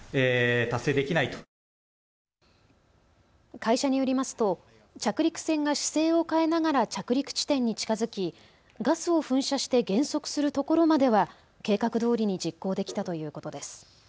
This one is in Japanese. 会社によりますと着陸船が姿勢を変えながら着陸地点に近づき、ガスを噴射して減速するところまでは計画どおりに実行できたということです。